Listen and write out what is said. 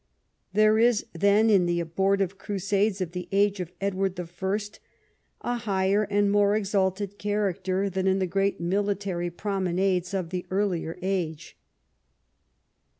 There is then in the abortive Crusades of the age of Edward I. a higher and more exalted character than in the great military promenades of an earlier age.